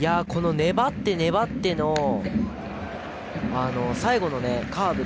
粘って粘っての最後のカーブ。